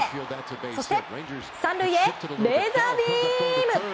そして、３塁へレーザービーム！